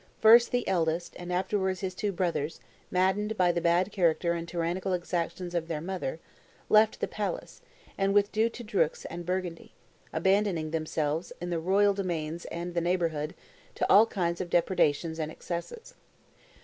First the eldest, and afterwards his two brothers, maddened by the bad character and tyrannical exactions of their mother, left the palace, and withdrew to Dreux and Burgundy, abandoning themselves, in the royal domains and the neighborhood, to all kinds of depredations and excesses.